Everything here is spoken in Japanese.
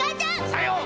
さよう！